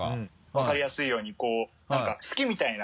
分かりやすいようにこう何か式みたいな。